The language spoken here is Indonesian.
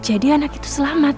jadi anak itu selamat